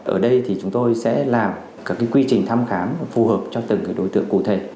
ở đây thì chúng tôi sẽ làm các quy trình thăm khám phù hợp cho từng đối tượng cụ thể